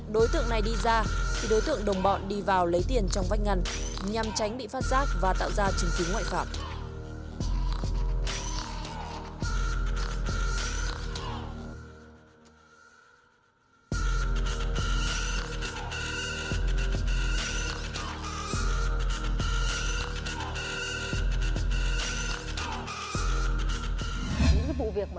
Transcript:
đối tượng này đi ra thì đối tượng đồng bọn đi vào lấy tiền trong vách ngăn nhằm tránh bị phát giác và tạo ra trình cứu ngoại phạm